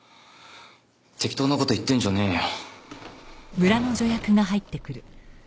適当な事言ってんじゃねえよ。